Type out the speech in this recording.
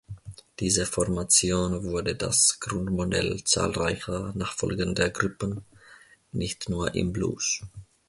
Diese Formation wurde das Grundmodell zahlreicher nachfolgender Gruppen, nicht nur im Blues.